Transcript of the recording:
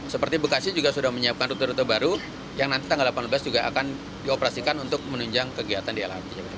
seperti bekasi juga sudah menyiapkan rute rute baru yang nanti tanggal delapan belas juga akan dioperasikan untuk menunjang kegiatan di lrt